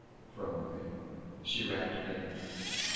_" from within. She rapped again.